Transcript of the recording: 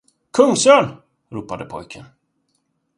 Kungsörn! ropade pojken.